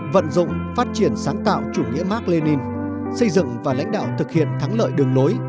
vận dụng phát triển sáng tạo chủ nghĩa mark lenin xây dựng và lãnh đạo thực hiện thắng lợi đường lối